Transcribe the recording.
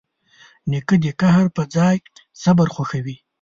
نیکه د قهر پر ځای صبر خوښوي.